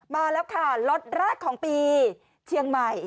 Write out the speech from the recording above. มาแล้วค่ะล็อตแรกของปีเชียงใหม่